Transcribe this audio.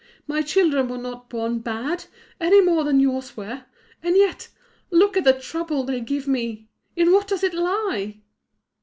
My children were not born bad, any more than yours were; and yet, look at the trouble they give me! In what does it lie?"